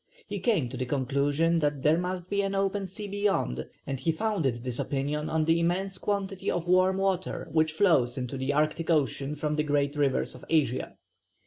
He came to the conclusion that there must be an open sea beyond, and he founded this opinion on the immense quantity of warm water which flows into the Arctic Ocean from the great rivers of Asia.